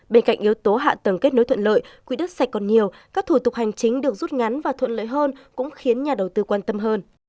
bên cạnh yếu tố hạ tầng kết nối thuận lợi quỹ đất sạch còn nhiều các thủ tục hành chính được rút ngắn và thuận lợi hơn cũng khiến nhà đầu tư quan tâm hơn